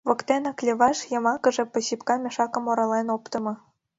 Воктенак леваш, йымакыже посипка мешакым орален оптымо.